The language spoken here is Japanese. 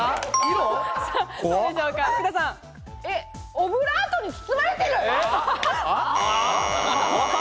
オブラートに包まれてる！